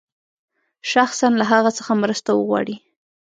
شخصاً له هغه څخه مرسته وغواړي.